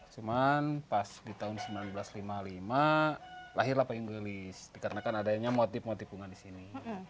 cuman pas di tahun seribu sembilan ratus lima puluh lima lahirlah payung gelis dikarenakan adanya motif motif bunga di sini